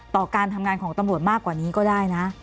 การทำงานของตำรวจมากกว่านี้ก็ได้นะ